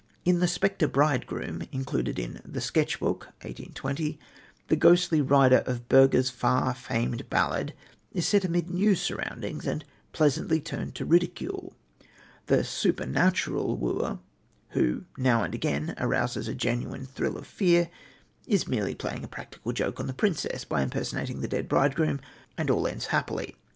In The Spectre Bridegroom, included in The Sketch Book (1820), the ghostly rider of Bürger's far famed ballad is set amid new surroundings and pleasantly turned to ridicule. The "supernatural" wooer, who now and again arouses a genuine thrill of fear, is merely playing a practical joke on the princess by impersonating the dead bridegroom, and all ends happily.